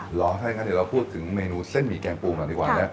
หรอใช่ค่ะเดี๋ยวเราพูดถึงเมนูเส้นหมี่แกงปูก่อนดีกว่านะ